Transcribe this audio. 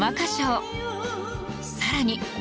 さらに。